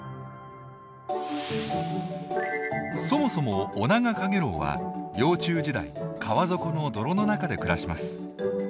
そもそもオナガカゲロウは幼虫時代川底の泥の中で暮らします。